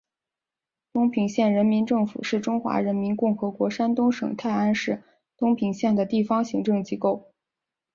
东平县人民政府是中华人民共和国山东省泰安市东平县的地方行政机构。